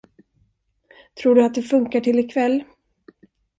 Tror du att det funkar till ikväll?